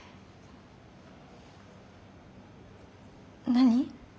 何？